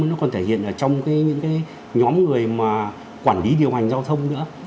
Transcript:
nó còn thể hiện ở trong những nhóm người mà quản lý điều hành giao thông nữa